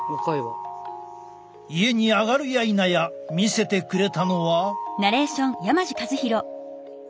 家に上がるやいなや見せてくれたのは。